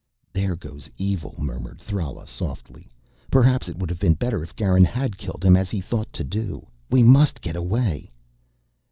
"There goes evil," murmured Thrala softly. "Perhaps it would have been better if Garin had killed him as he thought to do. We must get away...."